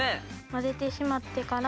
混ぜてしまってから。